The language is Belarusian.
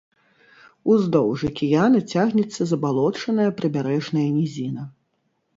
Уздоўж акіяна цягнецца забалочаная прыбярэжная нізіна.